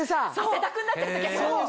汗だくになってる時ありますよね。